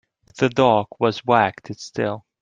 The dog was wagged its tail.